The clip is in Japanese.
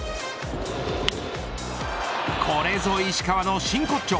これぞ石川の真骨頂。